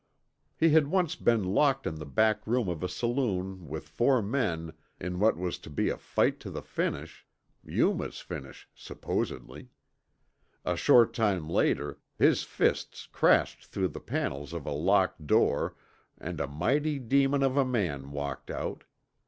He had once been locked in the back room of a saloon with four men in what was to be a fight to the finish Yuma's finish, supposedly. A short time later his fists crashed through the panels of a locked door and a mighty demon of a man walked out.